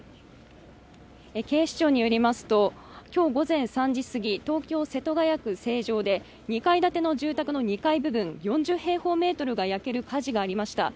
警視庁によりますと今日午前３時すぎ東京・世田谷区成城で２階建ての住宅の２階部分、４０平方メートルが焼ける火事がありました。